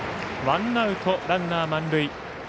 ワンアウト、ランナー満塁。